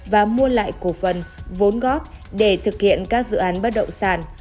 và mua lại cổ phần vốn góp để thực hiện các dự án bất động sản